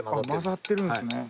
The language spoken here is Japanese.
混ざってるんですね。